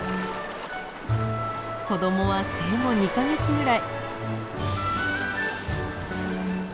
子供は生後２か月ぐらい。